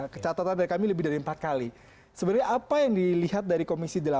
kecatatan dari kami lebih dari empat kali sebenarnya apa yang dilihat dari komisi delapan